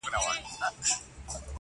• نه جامې او نه څپلۍ په محله کي -